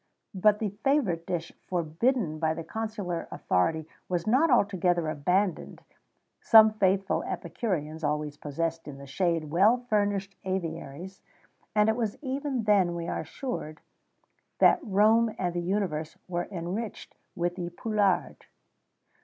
But the favourite dish forbidden by the consular authority was not altogether abandoned: some faithful epicureans always possessed in the shade well furnished aviaries; and it was even then, we are assured, that Rome and the universe were enriched with the poularde.